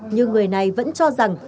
nhưng người này vẫn cho rằng